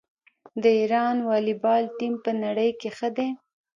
د ایران والیبال ټیم په نړۍ کې ښه دی.